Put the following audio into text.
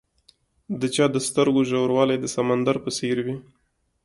د چا د سترګو ژوروالی د سمندر په څېر وي.